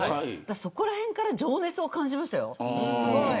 そこらへんから情熱を感じましたよ。